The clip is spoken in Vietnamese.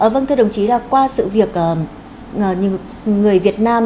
vâng thưa đồng chí là qua sự việc người việt nam